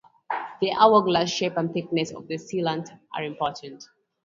The hour-glass shape and thickness of the sealant are important.